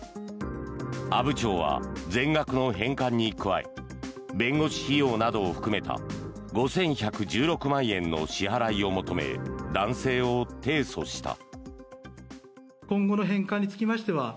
阿武町は全額の返還に加え弁護士費用などを含めた５１１６万円の支払いを求め男性を提訴した。